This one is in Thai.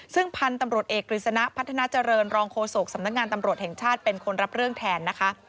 ซึ่งพันธุ์ตำรวจเอกกฤษณะพัฒนาเจริญรองโฆษกสำนักงานตำรวจแห่งชาติเป็นคนรับเรื่องแทนนะคะ